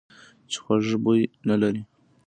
چې خوږ بوی نه لري .